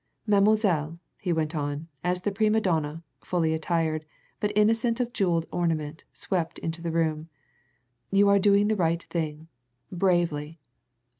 Mademoiselle," he went on, as the prima donna, fully attired, but innocent of jewelled ornament, swept into the room, "you are doing the right thing bravely!